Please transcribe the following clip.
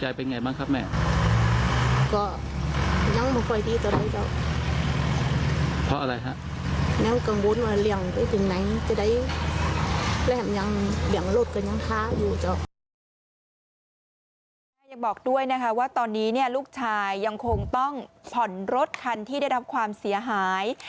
ยังบอกด้วยนะคะว่าตอนนี้ลูกชายยังคงต้องผ่อนรถคันที่ได้รับความเสียหาย